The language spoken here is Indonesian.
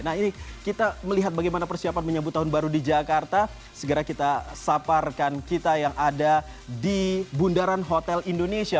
nah ini kita melihat bagaimana persiapan menyambut tahun baru di jakarta segera kita saparkan kita yang ada di bundaran hotel indonesia